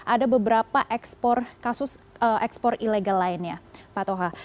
ada beberapa ekspor kasus ekspor ilegal lainnya pak toha